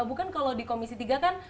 bukan kalau di komisi tiga kan